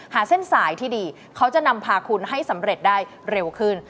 เส้นสายที่ดีเขาจะนำพาคุณให้สำเร็จได้เร็วขึ้น